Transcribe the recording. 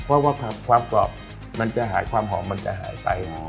เพราะว่าความกรอบมันจะหายความหอมมันจะหายไป